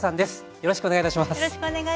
よろしくお願いします。